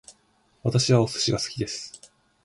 私はお寿司が好きです